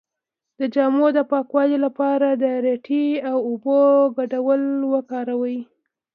د جامو د پاکوالي لپاره د ریټې او اوبو ګډول وکاروئ